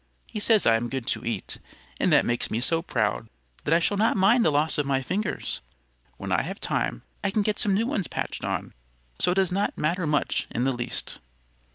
"He says I am good to eat, and that makes me so proud that I shall not mind the loss of my fingers. When I have time I can get some new ones patched on; so it does not matter much in the least."